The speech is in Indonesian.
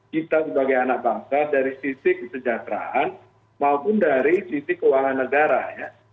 kita sebagai anak bangsa dari sisi kesejahteraan maupun dari sisi keuangan negara ya